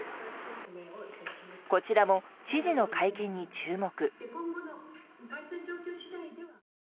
こちらも知事の会見に注目。